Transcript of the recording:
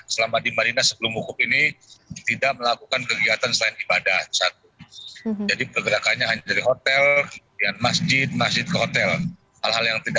selama di arab saudi ini